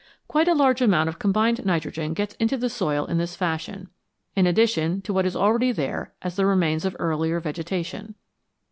Quite a large amount of combined nitrogen gets into the soil in this fashion, in addition to what is already there as the remains of earlier vegetation.